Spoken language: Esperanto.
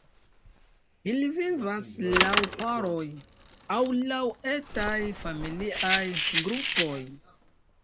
Ili vivas laŭ paroj aŭ laŭ etaj familiaj grupoj.